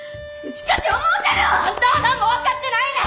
あんたは何も分かってないねん！